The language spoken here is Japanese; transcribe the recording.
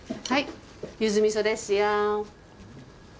はいゆずみそですよ。